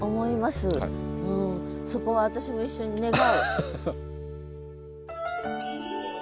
そこは私も一緒に願う。